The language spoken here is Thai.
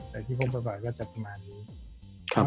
แต่ที่ผมบ่อยก็จะประมาณนี้